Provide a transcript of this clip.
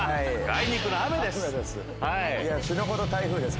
あいにくの雨です。